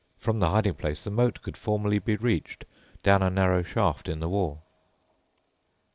From the hiding place the moat could formerly be reached, down a narrow shaft in the wall.